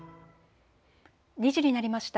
２時になりました。